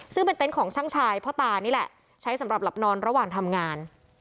ซึ่งเป็นเต็นต์ของช่างชายพ่อตานี่แหละใช้สำหรับหลับนอนระหว่างทำงาน